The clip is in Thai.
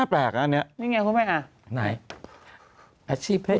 ซูคราใจ